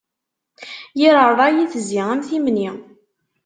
Yir ṛṛay itezzi am timni.